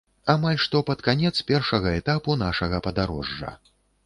Амаль што пад канец першага этапу нашага падарожжа.